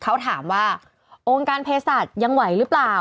เขาถามว่าองค์การเพศสัตว์ยังไหวหรือเปล่า